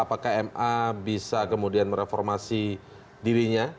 apakah ma bisa kemudian mereformasi dirinya